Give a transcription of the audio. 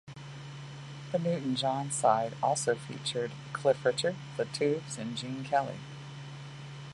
The Newton-John side also featured Cliff Richard, The Tubes and Gene Kelly.